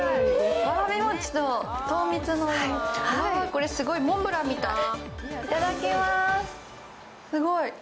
これすごいモンブランみたい。